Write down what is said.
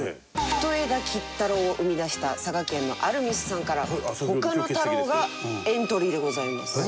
太郎を生み出した佐賀県のアルミスさんから他の太郎がエントリーでございます。